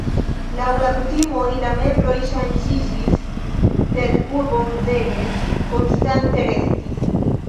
Laŭ la kutimoj la membroj ŝanĝiĝis, sed urbo Szeged konstante restis.